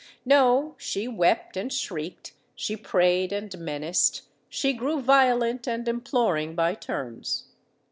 No:—she wept and shrieked—she prayed and menaced—she grew violent and imploring, by turns.